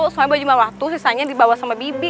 soalnya banyak banyak waktu sisanya dibawa sama bibi